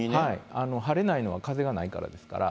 晴れないのは風がないからですから。